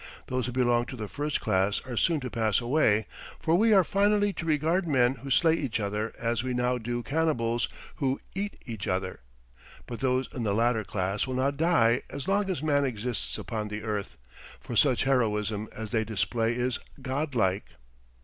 Those who belong to the first class are soon to pass away, for we are finally to regard men who slay each other as we now do cannibals who eat each other; but those in the latter class will not die as long as man exists upon the earth, for such heroism as they display is god like.